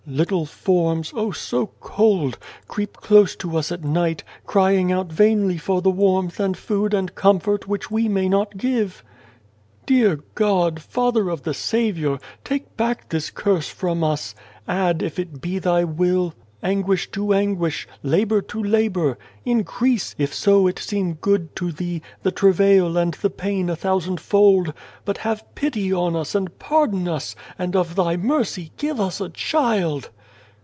Little forms, oh, so cold ! creep close to us at night, crying out vainly for the warmth and food and comfort which we may not give. " Dear God, Father of the Saviour, take back this curse from us. Add, if it be Thy will, anguish to anguish, labour to labour. In 284 Without a Child crease, if so it seem good to Thee, the travail and the pain a thousand fold : but have pity on us and pardon us, and of Thy mercy give us a child!"